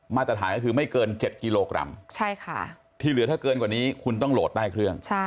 มาตรฐานก็คือไม่เกิน๗กิโลกรัมที่เหลือถ้าเกินกว่านี้คุณต้องโหลดใต้เครื่อง